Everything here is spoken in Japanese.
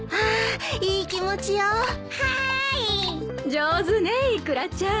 上手ねイクラちゃん。